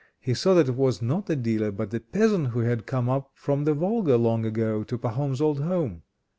he saw that it was not the dealer, but the peasant who had come up from the Volga, long ago, to Pahom's old home.